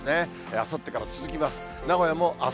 あさってから続きます。